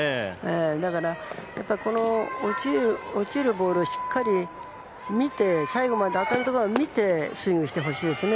だから、この落ちるボールをしっかり見て、最後まで当たるところまで見てスイングしてほしいですね。